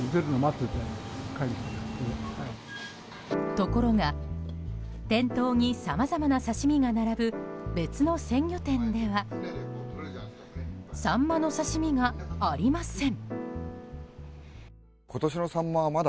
ところが店頭にさまざまな刺し身が並ぶ別の鮮魚店ではサンマの刺し身がありません。